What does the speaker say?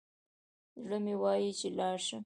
زړه مي وايي چي لاړ شم